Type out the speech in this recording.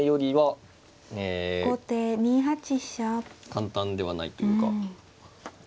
簡単ではないというか。